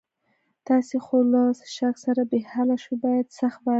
تاسې خو له لږ څښاک سره بې حاله شوي، باندې سخت باران ورېده.